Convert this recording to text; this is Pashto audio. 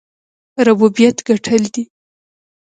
ربوبیت ګټل دی.